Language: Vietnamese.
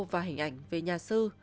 và hình ảnh về nhà sư